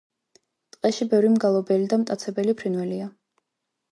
ტყეში ბევრი მგალობელი და მტაცებელი ფრინველია.